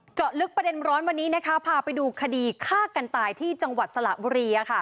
เจาะลึกประเด็นร้อนวันนี้นะคะพาไปดูคดีฆ่ากันตายที่จังหวัดสระบุรี